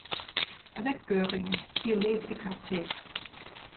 Avec Goering, il les écartait.